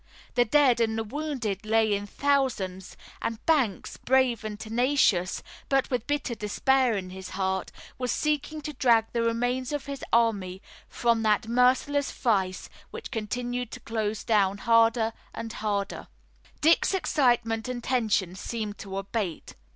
The dead and the wounded lay in thousands, and Banks, brave and tenacious, but with bitter despair in his heart, was seeking to drag the remains of his army from that merciless vise which continued to close down harder and harder. Dick's excitement and tension seemed to abate.